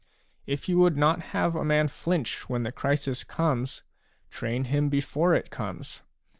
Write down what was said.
If you would not have a man flinch when the crisis comes, train him before it comes.